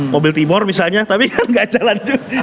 mobil timor misalnya tapi kan gak jalan juga